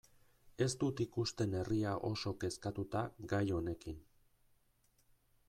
Ez dut ikusten herria oso kezkatuta gai honekin.